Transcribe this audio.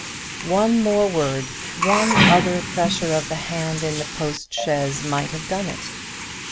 One more word, one other pressure of the hand in the post chaise, might have done it!